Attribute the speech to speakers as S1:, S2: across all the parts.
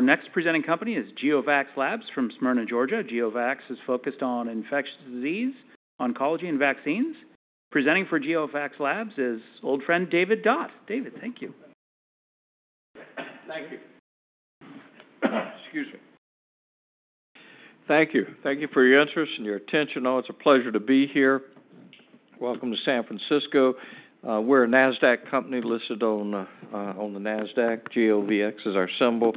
S1: Our next presenting company is GeoVax Labs from Smyrna, Georgia. GeoVax is focused on infectious disease, oncology, and vaccines. Presenting for GeoVax Labs is old friend David Dodd. David, thank you.
S2: Thank you. Excuse me. Thank you. Thank you for your interest and your attention. Oh, it's a pleasure to be here. Welcome to San Francisco. We're a NASDAQ company listed on the NASDAQ. GeoVax is our symbol,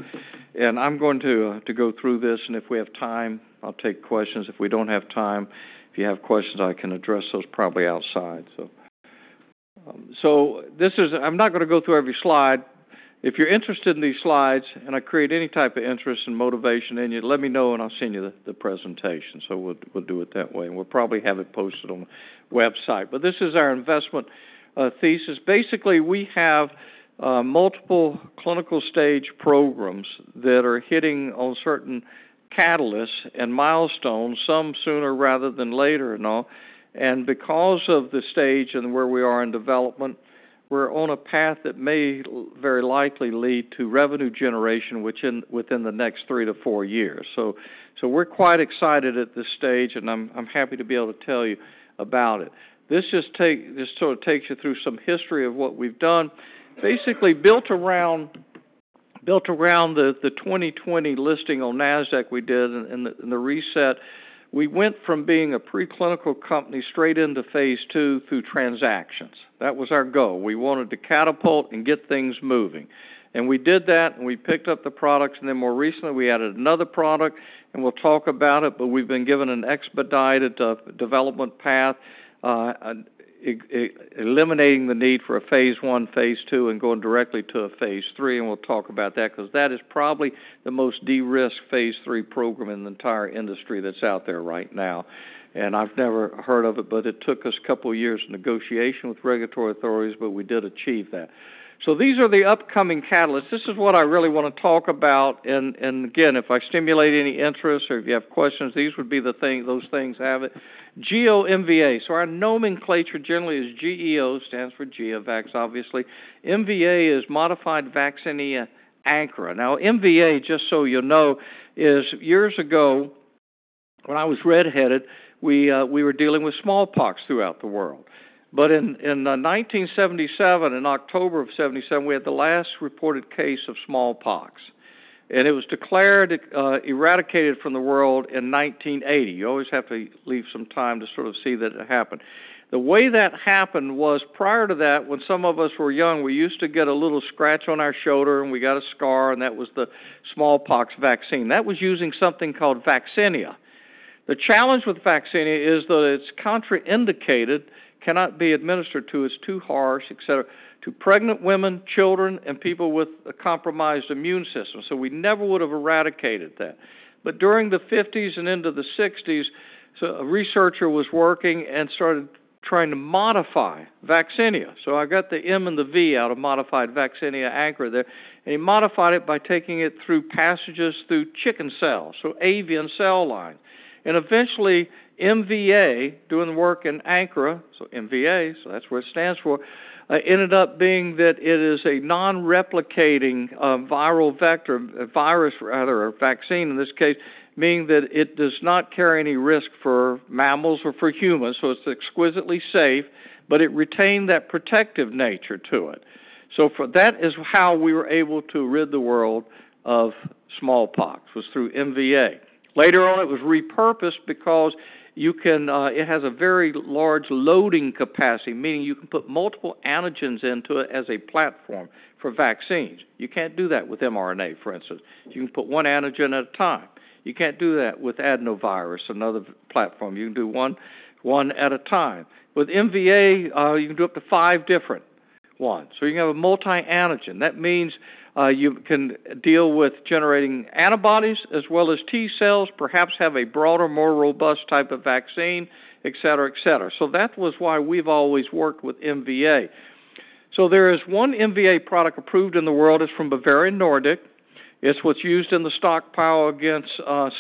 S2: and I'm going to go through this, and if we have time, I'll take questions. If we don't have time, if you have questions, I can address those probably outside, so this is. I'm not going to go through every slide. If you're interested in these slides and I create any type of interest and motivation in you, let me know and I'll send you the presentation. So we'll do it that way. We'll probably have it posted on the website, but this is our investment thesis. Basically, we have multiple clinical stage programs that are hitting on certain catalysts and milestones, some sooner rather than later and all. And because of the stage and where we are in development, we're on a path that may very likely lead to revenue generation within the next three to four years. So we're quite excited at this stage, and I'm happy to be able to tell you about it. This just sort of takes you through some history of what we've done. Basically, built around the 2020 listing on NASDAQ we did and the reset, we went from being a preclinical company straight into phase II through transactions. That was our goal. We wanted to catapult and get things moving. And we did that, and we picked up the products. And then more recently, we added another product, and we'll talk about it. But we've been given an expedited development path, eliminating the need for a phase I, phase II, and going directly to a phase III. We'll talk about that because that is probably the most de-risked phase III program in the entire industry that's out there right now. I've never heard of it, but it took us a couple of years of negotiation with regulatory authorities, but we did achieve that. These are the upcoming catalysts. This is what I really want to talk about. Again, if I stimulate any interest or if you have questions, these would be the thing, those things have it. GEO-MVA, so our nomenclature generally is GEO, stands for GeoVax, obviously. MVA is Modified Vaccinia Ankara. Now, MVA, just so you know, is years ago when I was redheaded, we were dealing with smallpox throughout the world. In 1977, in October of 1977, we had the last reported case of smallpox. It was declared eradicated from the world in 1980. You always have to leave some time to sort of see that it happened. The way that happened was prior to that, when some of us were young, we used to get a little scratch on our shoulder and we got a scar, and that was the smallpox vaccine. That was using something called Vaccinia. The challenge with Vaccinia is that it's contraindicated, cannot be administered to us, too harsh, etc., to pregnant women, children, and people with a compromised immune system. So we never would have eradicated that, but during the 1950s and into the 1960s, a researcher was working and started trying to modify Vaccinia. So I got the M and the V out of Modified Vaccinia Ankara there, and he modified it by taking it through passages through chicken cells, so avian cell line. Eventually, MVA, doing the work in Ankara, MVA, that's what it stands for, ended up being that it is a non-replicating viral vector, virus rather, or vaccine in this case, meaning that it does not carry any risk for mammals or for humans. It's exquisitely safe, but it retained that protective nature to it. That is how we were able to rid the world of smallpox, was through MVA. Later on, it was repurposed because it has a very large loading capacity, meaning you can put multiple antigens into it as a platform for vaccines. You can't do that with mRNA, for instance. You can put one antigen at a time. You can't do that with adenovirus, another platform. You can do one at a time. With MVA, you can do up to five different ones. You can have a multi-antigen. That means you can deal with generating antibodies as well as T cells, perhaps have a broader, more robust type of vaccine, etc., etc. So that was why we've always worked with MVA. So there is one MVA product approved in the world. It's from Bavarian Nordic. It's what's used in the stockpile against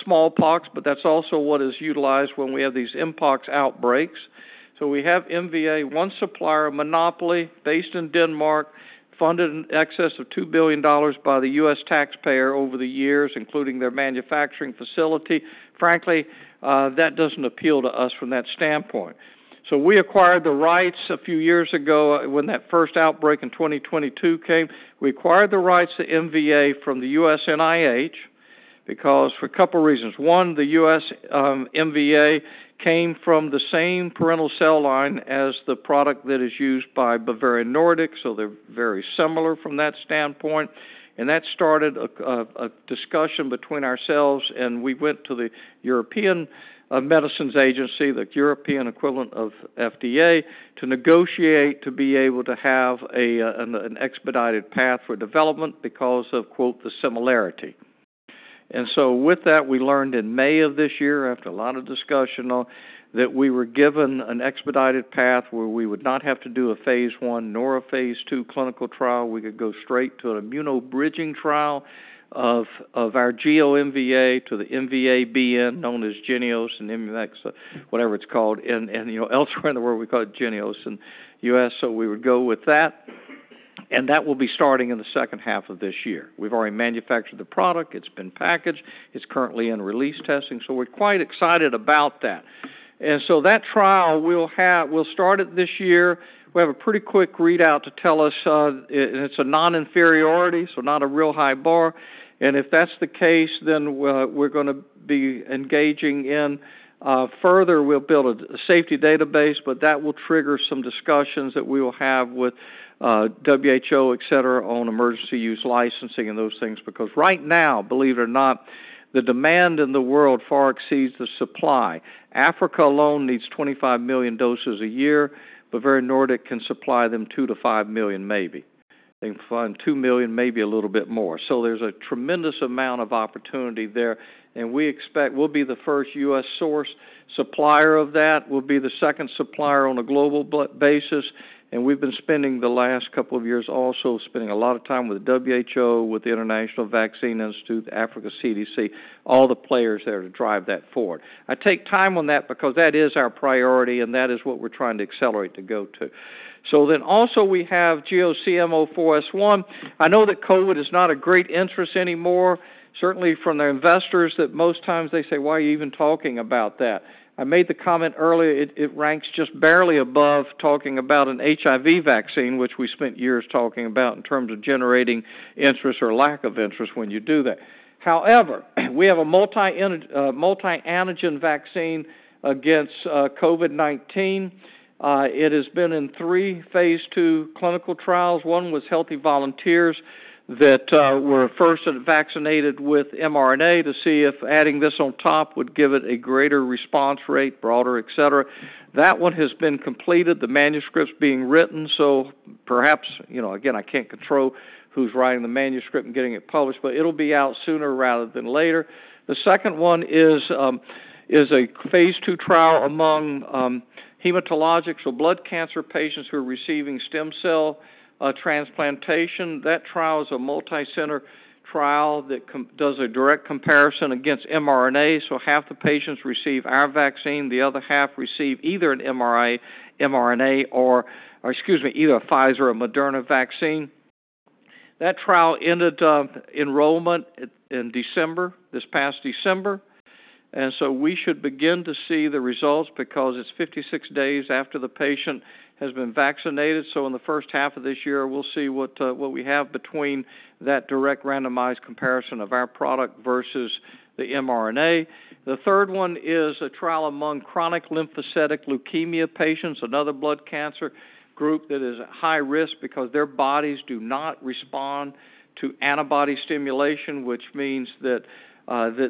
S2: smallpox, but that's also what is utilized when we have these Mpox outbreaks. So we have MVA, one supplier, monopoly, based in Denmark, funded in excess of $2 billion by the U.S. taxpayer over the years, including their manufacturing facility. Frankly, that doesn't appeal to us from that standpoint. So we acquired the rights a few years ago when that first outbreak in 2022 came. We acquired the rights to MVA from the U.S. NIH because of a couple of reasons. One, the U.S. MVA came from the same parental cell line as the product that is used by Bavarian Nordic, so they're very similar from that standpoint. And that started a discussion between ourselves, and we went to the European Medicines Agency, the European equivalent of FDA, to negotiate to be able to have an expedited path for development because of "the similarity." And so with that, we learned in May of this year, after a lot of discussion, that we were given an expedited path where we would not have to do a phase I nor a phase II clinical trial. We could go straight to an immunobridging trial of our GEO-MVA to the MVA-BN, known as JYNNEOS, and Imvanex, whatever it's called. And elsewhere in the world, we call it JYNNEOS in the U.S., so we would go with that. That will be starting in the second half of this year. We've already manufactured the product. It's been packaged. It's currently in release testing. We're quite excited about that. That trial, we'll start it this year. We have a pretty quick readout to tell us it's a non-inferiority, so not a real high bar. If that's the case, then we're going to be engaging in further. We'll build a safety database, but that will trigger some discussions that we will have with WHO, etc., on emergency use licensing and those things because right now, believe it or not, the demand in the world far exceeds the supply. Africa alone needs 25 million doses a year, but Bavarian Nordic can supply them two to five million, maybe. They can find two million, maybe a little bit more. There's a tremendous amount of opportunity there. And we expect we'll be the first U.S. source supplier of that. We'll be the second supplier on a global basis. And we've been spending the last couple of years also a lot of time with WHO, with the International Vaccine Institute, Africa CDC, all the players there to drive that forward. I take time on that because that is our priority, and that is what we're trying to accelerate to go to. So then also we have GEO-CM04S1. I know that COVID is not a great interest anymore, certainly from the investors that most times they say, "Why are you even talking about that?" I made the comment earlier. It ranks just barely above talking about an HIV vaccine, which we spent years talking about in terms of generating interest or lack of interest when you do that. However, we have a multi-antigen vaccine against COVID-19. It has been in three phase II clinical trials. One was healthy volunteers that were first vaccinated with mRNA to see if adding this on top would give it a greater response rate, broader, etc. That one has been completed. The manuscript's being written, so perhaps, again, I can't control who's writing the manuscript and getting it published, but it'll be out sooner rather than later. The second one is a phase II trial among hematologics, so blood cancer patients who are receiving stem cell transplantation. That trial is a multi-center trial that does a direct comparison against mRNA. So half the patients receive our vaccine. The other half receive either an mRNA or, excuse me, either a Pfizer or a Moderna vaccine. That trial ended enrollment in December, this past December. And so we should begin to see the results because it's 56 days after the patient has been vaccinated. So in the first half of this year, we'll see what we have between that direct randomized comparison of our product versus the mRNA. The third one is a trial among chronic lymphocytic leukemia patients, another blood cancer group that is at high risk because their bodies do not respond to antibody stimulation, which means that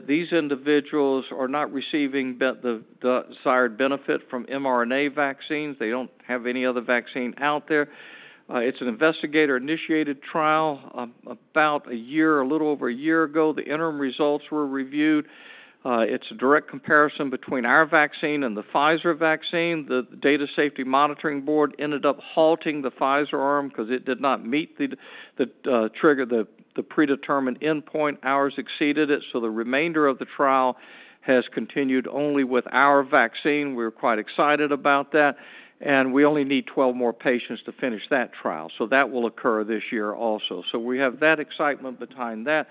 S2: these individuals are not receiving the desired benefit from mRNA vaccines. They don't have any other vaccine out there. It's an investigator-initiated trial about a year, a little over a year ago. The interim results were reviewed. It's a direct comparison between our vaccine and the Pfizer vaccine. The Data Safety Monitoring Board ended up halting the Pfizer arm because it did not meet the trigger, the predetermined endpoint. Ours exceeded it. The remainder of the trial has continued only with our vaccine. We're quite excited about that. And we only need 12 more patients to finish that trial. So that will occur this year also. So we have that excitement behind that.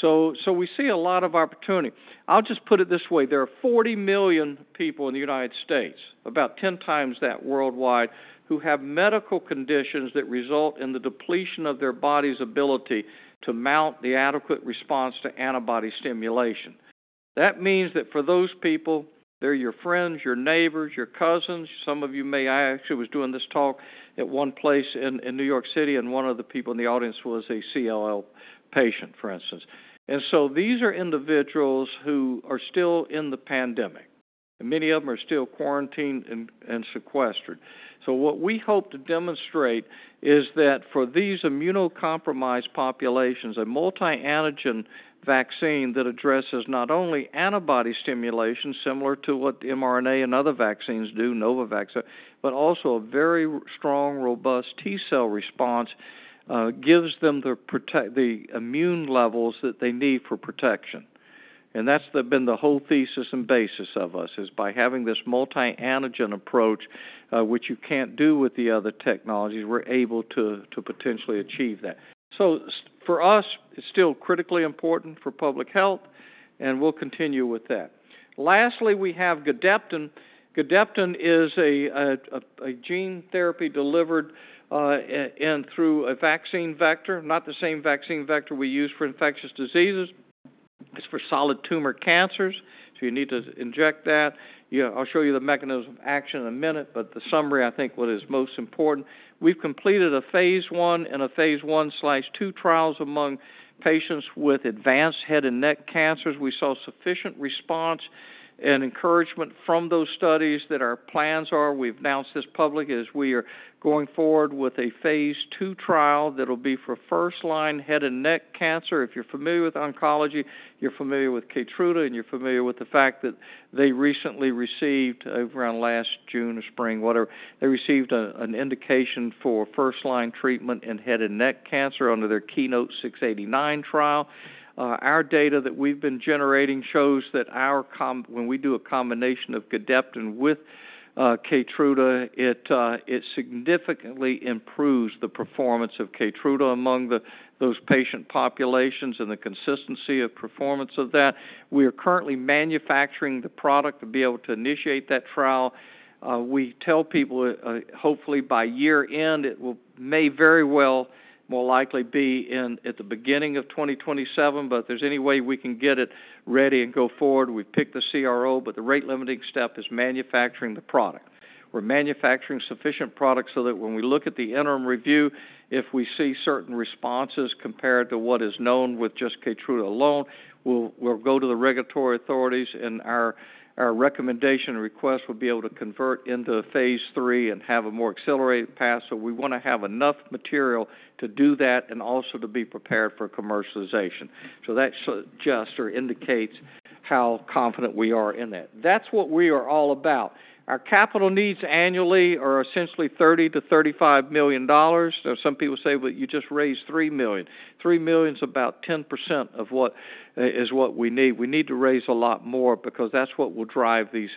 S2: So we see a lot of opportunity. I'll just put it this way. There are 40 million people in the United States, about 10x that worldwide, who have medical conditions that result in the depletion of their body's ability to mount the adequate response to antibody stimulation. That means that for those people, they're your friends, your neighbors, your cousins. Some of you may, I actually was doing this talk at one place in New York City, and one of the people in the audience was a CLL patient, for instance. And so these are individuals who are still in the pandemic. Many of them are still quarantined and sequestered. What we hope to demonstrate is that for these immunocompromised populations, a multi-antigen vaccine that addresses not only antibody stimulation similar to what mRNA and other vaccines do, Novavax, but also a very strong, robust T cell response gives them the immune levels that they need for protection. That's been the whole thesis and basis of us, is by having this multi-antigen approach, which you can't do with the other technologies, we're able to potentially achieve that. For us, it's still critically important for public health, and we'll continue with that. Lastly, we have Gedeptin. Gedeptin is a gene therapy delivered in through a vaccine vector, not the same vaccine vector we use for infectious diseases. It's for solid tumor cancers, so you need to inject that. I'll show you the mechanism of action in a minute, but the summary, I think, what is most important. We've completed a phase I and a phase I/II trials among patients with advanced head and neck cancers. We saw sufficient response and encouragement from those studies that our plans are. We've announced this publicly as we are going forward with a phase II trial that'll be for first-line head and neck cancer. If you're familiar with oncology, you're familiar with Keytruda, and you're familiar with the fact that they recently received, around last June or spring, whatever, they received an indication for first-line treatment in head and neck cancer under their KEYNOTE-689 trial. Our data that we've been generating shows that when we do a combination of Gedeptin with Keytruda, it significantly improves the performance of Keytruda among those patient populations and the consistency of performance of that. We are currently manufacturing the product to be able to initiate that trial. We tell people, hopefully by year-end, it may very well more likely be at the beginning of 2027, but if there's any way we can get it ready and go forward, we pick the CRO, but the rate-limiting step is manufacturing the product. We're manufacturing sufficient products so that when we look at the interim review, if we see certain responses compared to what is known with just Keytruda alone, we'll go to the regulatory authorities, and our recommendation and request will be able to convert into a phase III and have a more accelerated path, so we want to have enough material to do that and also to be prepared for commercialization, so that suggests or indicates how confident we are in that. That's what we are all about. Our capital needs annually are essentially $30 million-$35 million. Now, some people say, "Well, you just raised $3 million." $3 million is about 10% of what we need. We need to raise a lot more because that's what will drive these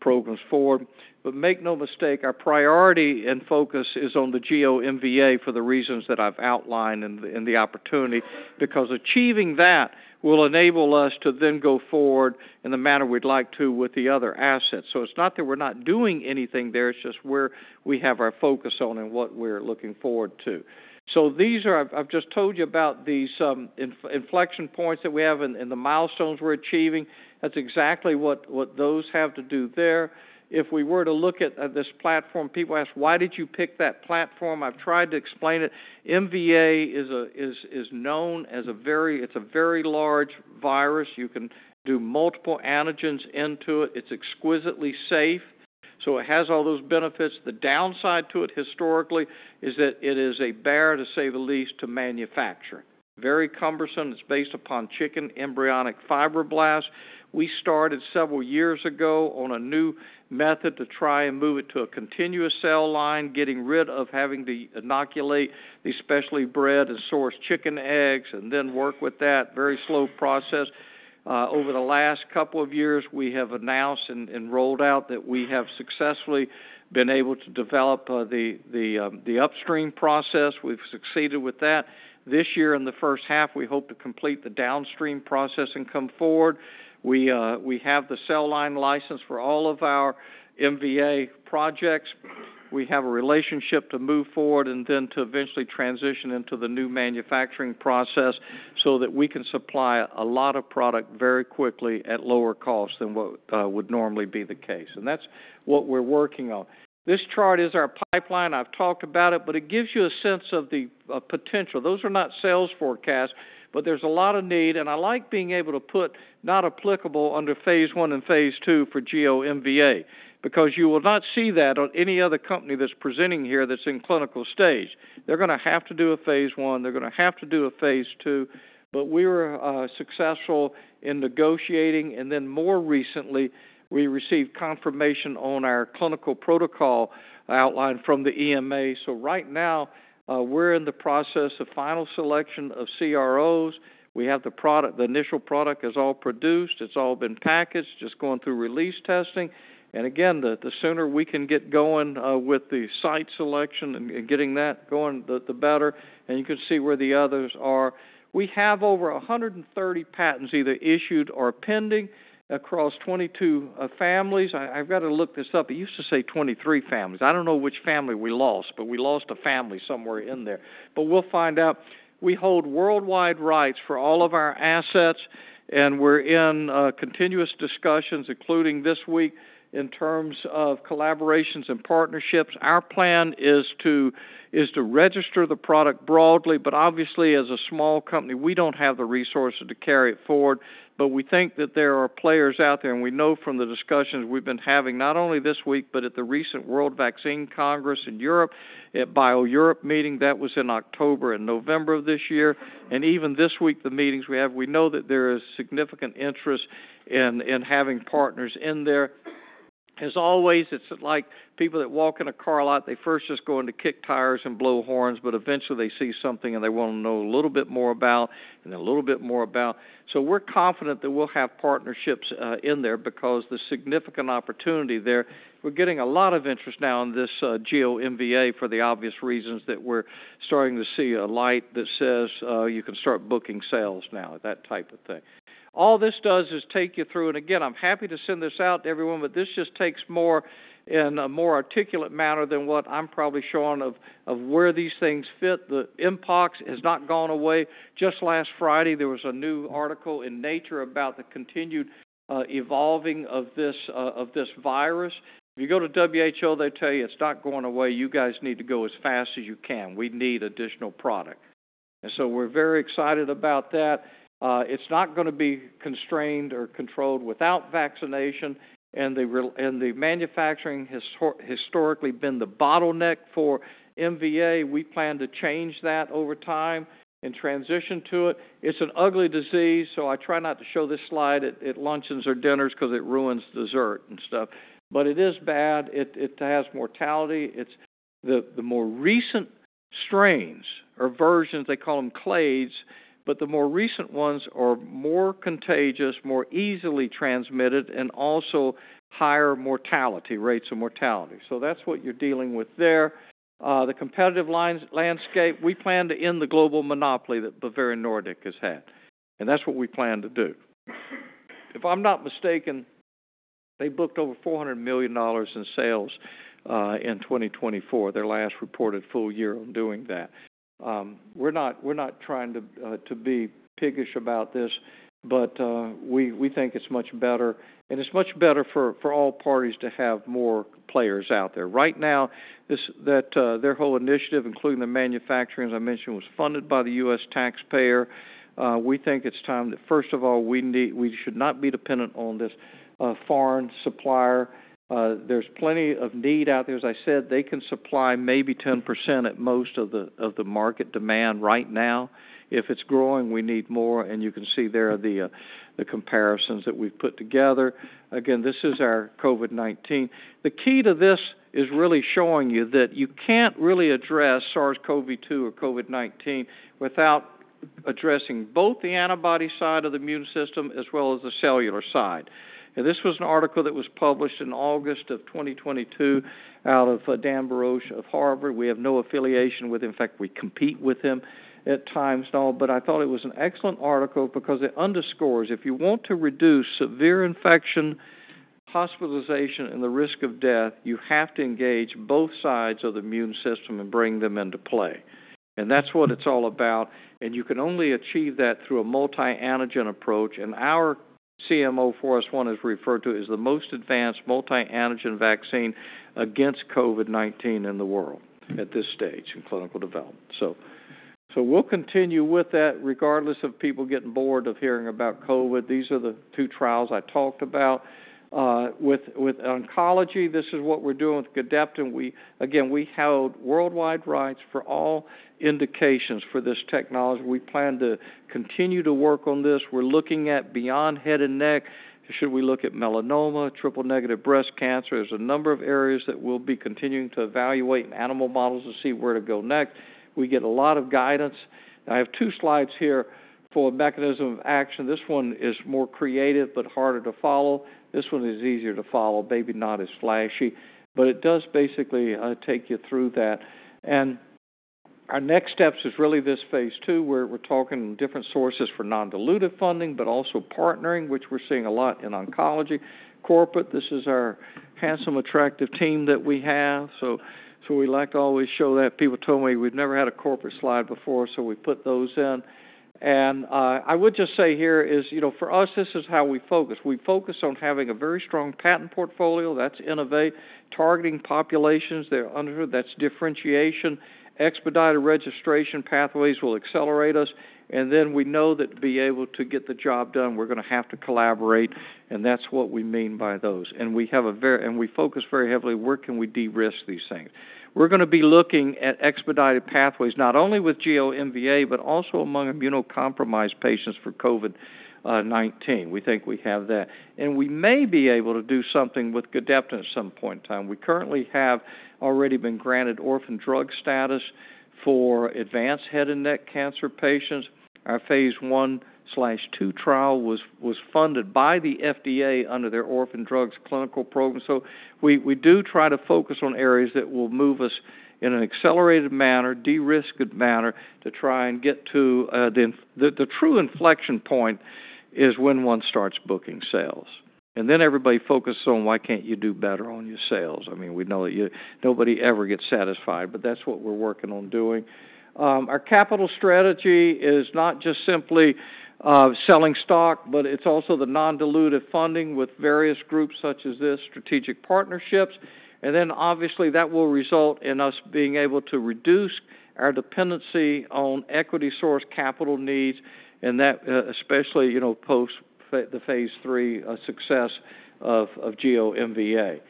S2: programs forward. But make no mistake, our priority and focus is on the GEO-MVA for the reasons that I've outlined and the opportunity because achieving that will enable us to then go forward in the manner we'd like to with the other assets. So it's not that we're not doing anything there. It's just where we have our focus on and what we're looking forward to. So these are. I've just told you about these inflection points that we have and the milestones we're achieving. That's exactly what those have to do there. If we were to look at this platform, people ask, "Why did you pick that platform?" I've tried to explain it. MVA is known as a very. It's a very large virus. You can do multiple antigens into it. It's exquisitely safe. So it has all those benefits. The downside to it historically is that it is a bear, to say the least, to manufacture. Very cumbersome. It's based upon chicken embryonic fibroblasts. We started several years ago on a new method to try and move it to a continuous cell line, getting rid of having to inoculate the specially bred and source chicken eggs and then work with that. Very slow process. Over the last couple of years, we have announced and rolled out that we have successfully been able to develop the upstream process. We've succeeded with that. This year, in the first half, we hope to complete the downstream process and come forward. We have the cell line license for all of our MVA projects. We have a relationship to move forward and then to eventually transition into the new manufacturing process so that we can supply a lot of product very quickly at lower cost than what would normally be the case, and that's what we're working on. This chart is our pipeline. I've talked about it, but it gives you a sense of the potential. Those are not sales forecasts, but there's a lot of need, and I like being able to put not applicable under phase I and phase II for GEO-MVA because you will not see that on any other company that's presenting here that's in clinical stage. They're going to have to do a phase I. They're going to have to do a phase II, but we were successful in negotiating. And then more recently, we received confirmation on our clinical protocol outline from the EMA, so right now, we're in the process of final selection of CROs. We have the product. The initial product is all produced. It's all been packaged, just going through release testing, and again, the sooner we can get going with the site selection and getting that going, the better, and you can see where the others are. We have over 130 patents either issued or pending across 22 families. I've got to look this up. It used to say 23 families. I don't know which family we lost, but we lost a family somewhere in there, but we'll find out. We hold worldwide rights for all of our assets, and we're in continuous discussions, including this week, in terms of collaborations and partnerships. Our plan is to register the product broadly, but obviously, as a small company, we don't have the resources to carry it forward. But we think that there are players out there, and we know from the discussions we've been having not only this week, but at the recent World Vaccine Congress in Europe, at BIO-Europe meeting. That was in October and November of this year. And even this week, the meetings we have, we know that there is significant interest in having partners in there. As always, it's like people that walk in a car a lot. They first just go in to kick tires and blow horns, but eventually, they see something, and they want to know a little bit more about and a little bit more about. So we're confident that we'll have partnerships in there because the significant opportunity there. We're getting a lot of interest now in this GEO-MVA for the obvious reasons that we're starting to see a light that says you can start booking sales now, that type of thing. All this does is take you through, and again, I'm happy to send this out to everyone, but this just takes more in a more articulate manner than what I'm probably showing of where these things fit. The Mpox has not gone away. Just last Friday, there was a new article in Nature about the continued evolving of this virus. If you go to WHO, they tell you it's not going away. You guys need to go as fast as you can. We need additional product. And so we're very excited about that. It's not going to be constrained or controlled without vaccination. And the manufacturing has historically been the bottleneck for MVA. We plan to change that over time and transition to it. It's an ugly disease, so I try not to show this slide at luncheons or dinners because it ruins dessert and stuff. But it is bad. It has mortality. The more recent strains or versions, they call them clades, but the more recent ones are more contagious, more easily transmitted, and also higher mortality, rates of mortality. So that's what you're dealing with there. The competitive landscape, we plan to end the global monopoly that Bavarian Nordic has had. And that's what we plan to do. If I'm not mistaken, they booked over $400 million in sales in 2024, their last reported full year on doing that. We're not trying to be piggish about this, but we think it's much better. And it's much better for all parties to have more players out there. Right now, their whole initiative, including the manufacturing, as I mentioned, was funded by the U.S. taxpayer. We think it's time that, first of all, we should not be dependent on this foreign supplier. There's plenty of need out there. As I said, they can supply maybe 10% at most of the market demand right now. If it's growing, we need more. And you can see there are the comparisons that we've put together. Again, this is our COVID-19. The key to this is really showing you that you can't really address SARS-CoV-2 or COVID-19 without addressing both the antibody side of the immune system as well as the cellular side. And this was an article that was published in August of 2022 out of Dan Barouch of Harvard. We have no affiliation with him. In fact, we compete with him at times and all. But I thought it was an excellent article because it underscores, if you want to reduce severe infection, hospitalization, and the risk of death, you have to engage both sides of the immune system and bring them into play. And that's what it's all about. And you can only achieve that through a multi-antigen approach. And our GEO-CM04S1 is referred to as the most advanced multi-antigen vaccine against COVID-19 in the world at this stage in clinical development. We'll continue with that regardless of people getting bored of hearing about COVID. These are the two trials I talked about. With oncology, this is what we're doing with Gedeptin. Again, we held worldwide rights for all indications for this technology. We plan to continue to work on this. We're looking at beyond head and neck. Should we look at melanoma, triple-negative breast cancer? There's a number of areas that we'll be continuing to evaluate in animal models to see where to go next. We get a lot of guidance. I have two slides here for a mechanism of action. This one is more creative but harder to follow. This one is easier to follow. Maybe not as flashy, but it does basically take you through that. Our next steps is really this phase II where we're talking different sources for non-dilutive funding, but also partnering, which we're seeing a lot in oncology. Corporate, this is our handsome, attractive team that we have. So we like to always show that. People told me we've never had a corporate slide before, so we put those in. And I would just say here is, for us, this is how we focus. We focus on having a very strong patent portfolio. That's innovate, targeting populations that are underserved. That's differentiation. Expedited registration pathways will accelerate us. And then we know that to be able to get the job done, we're going to have to collaborate. And that's what we mean by those. And we focus very heavily, where can we de-risk these things. We're going to be looking at expedited pathways, not only with GEO-MVA, but also among immunocompromised patients for COVID-19. We think we have that. And we may be able to do something with Gedeptin at some point in time. We currently have already been granted orphan drug status for advanced head and neck cancer patients. Our phase I/II trial was funded by the FDA under their Orphan Drugs Clinical Program. So we do try to focus on areas that will move us in an accelerated manner, de-risked manner to try and get to the true inflection point, which is when one starts booking sales. And then everybody focuses on, "Why can't you do better on your sales?" I mean, we know that nobody ever gets satisfied, but that's what we're working on doing. Our capital strategy is not just simply selling stock, but it's also the non-dilutive funding with various groups such as this, strategic partnerships. And then, obviously, that will result in us being able to reduce our dependency on equity-sourced capital needs, and that especially post the phase III success of GEO-MVA.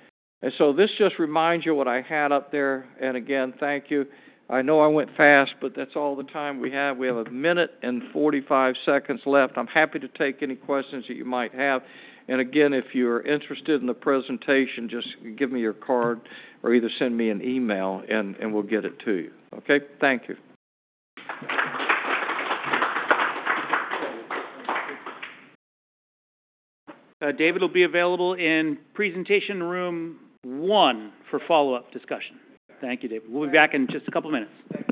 S2: And so this just reminds you of what I had up there. And again, thank you. I know I went fast, but that's all the time we have. We have a minute and 45 seconds left. I'm happy to take any questions that you might have. And again, if you're interested in the presentation, just give me your card or either send me an email, and we'll get it to you. Okay? Thank you.
S1: David will be available in presentation room one for follow-up discussion. Thank you, David. We'll be back in just a couple of minutes.